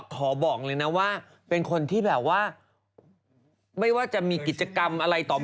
คุณพูดคำนี้ไม่ได้นะจาบจ้วง